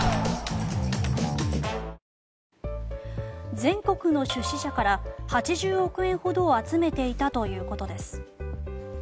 全国の出資者から８０億円ほどを集めていたということです。